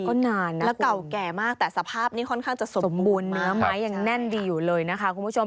ก็นานนะแล้วเก่าแก่มากแต่สภาพนี้ค่อนข้างจะสมบูรณ์เนื้อไม้ยังแน่นดีอยู่เลยนะคะคุณผู้ชม